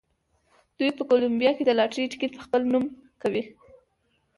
دوی په کولمبیا کې د لاټرۍ ټکټ په خپل نوم کوي.